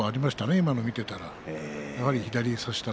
今のを見ていたら。